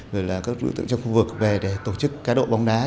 rồi là các đối tượng trong khu vực về để tổ chức cá lộ bong đá